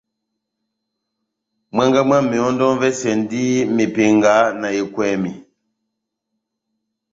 Mwángá mwá mehɔndɔ m'vɛsɛndi mepenga na ekwèmi.